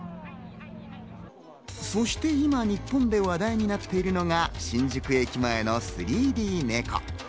そして今、日本で話題になっているのが新宿駅前の３Ｄネコ。